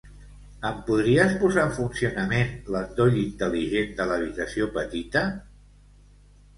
Em podries posar en funcionament l'endoll intel·ligent de l'habitació petita?